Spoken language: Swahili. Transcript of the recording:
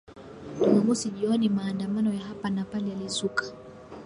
Jumamosi jioni maandamano ya hapa na pale yalizuka